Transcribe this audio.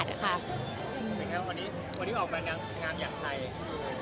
จะโดยทำยังไงนะวันนี้มันเป็นงามอย่างไทย